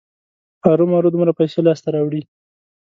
ارومرو دومره پیسې لاسته راوړي.